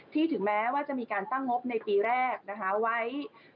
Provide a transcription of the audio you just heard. ที่ถึงแม้ว่าจะมีการตั้งงบในปีแรกไว้๑๒๐